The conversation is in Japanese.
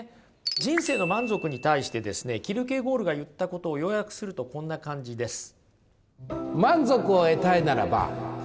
人生の満足に対してですねキルケゴールが言ったことを要約するとこんな感じです。